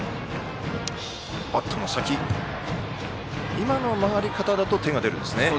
今の曲がり方だと手が出るんですね。